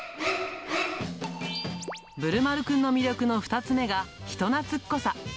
ぶるまるくんの魅力の２つ目が、人懐っこさ。